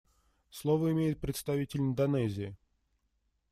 Слово имеет представитель Индонезии.